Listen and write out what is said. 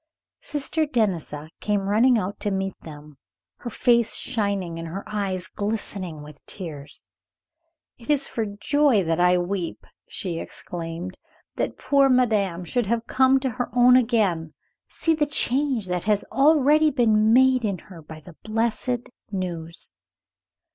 Sister Denisa came running out to meet them, her face shining and her eyes glistening with tears. "It is for joy that I weep," she exclaimed, "that poor madame should have come to her own again. See the change that has already been made in her by the blessed news."